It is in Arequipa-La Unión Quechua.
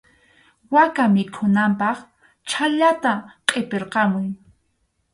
Waka mikhunanpaq chhallata qʼipirqamuy.